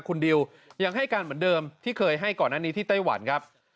คุณดิวยังให้การเหมือนเดิมที่เคยให้ก่อนหน้านี้ที่ไต้หวันครับ